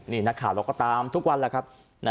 นี่นะคะเราก็ตามทุกวันแหละครับ